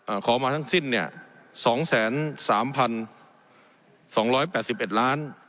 ขอมาทั้งสิ้นเนี่ยสองแสนสามพันสองร้อยแปดสิบเอ็ดล้าน